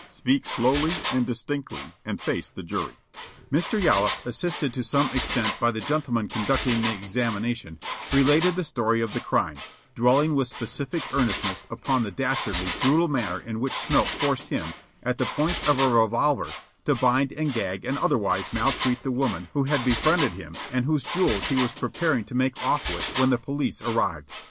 Speak slowly and distinctly, and face the jury." Mr. Yollop, assisted to some extent by the gentleman conducting the examination, related the story of the crime, dwelling with special earnestness upon the dastardly, brutal manner in which Smilk forced him, at the point of a revolver to bind and gag and otherwise maltreat the woman who had befriended him and whose jewels he was preparing to make off with when the police arrived.